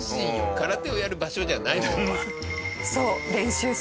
空手をやる場所じゃない。